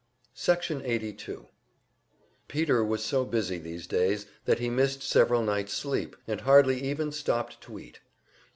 Section 82 Peter was so busy these days that he missed several nights' sleep, and hardly even stopped to eat.